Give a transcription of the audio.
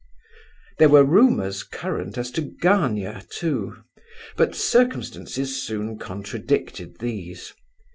There were rumours current as to Gania, too; but circumstances soon contradicted these.